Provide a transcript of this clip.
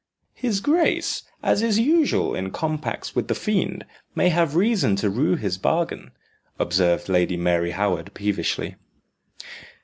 "His grace, as is usual in compacts with the fiend, might have reason to rue his bargain," observed Lady Mary Howard peevishly.